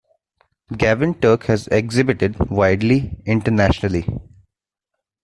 Gavin Turk has exhibited widely internationally.